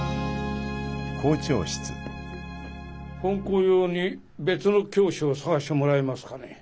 本校用に別の教師を探してもらえますかね。